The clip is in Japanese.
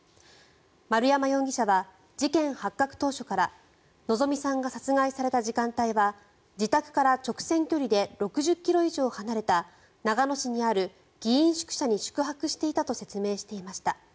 丸山容疑者は事件発覚当初から希美さんが殺害された時間帯は自宅から直線距離で６０ｋｍ以上離れた長野市にある議員宿舎に宿泊していたと説明していました。